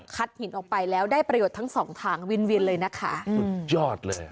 หินออกไปแล้วได้ประโยชน์ทั้งสองทางวินเวียนเลยนะคะสุดยอดเลย